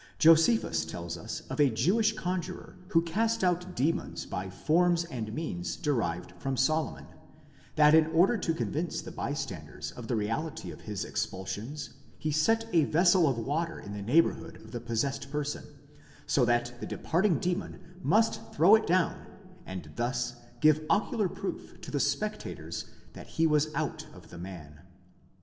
Josephus tells us of a Jewish conjuror who cast out demons by forms and means derived from Solomon, that in order to convince the bystanders of the reality of his expulsions, he set a vessel of water in the neighbourhood of the possessed person, so that the departing demon must throw it down and thus give ocular proof to the spec tators that he was out of the man.